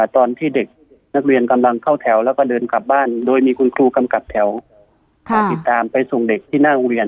ตอนที่เด็กนักเรียนกำลังเข้าแถวแล้วก็เดินกลับบ้านโดยมีคุณครูกำกับแถวมาติดตามไปส่งเด็กที่หน้าโรงเรียน